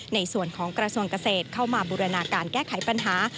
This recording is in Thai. ในส่วนของกระทรวงเกษตรเข้ามาบูรณาการแก้ไขปัญหา